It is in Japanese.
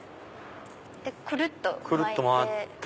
くるっと巻いて。